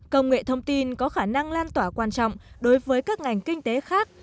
công nghệ thông tin có khả năng lan tỏa quan trọng đối với các ngành kinh tế khác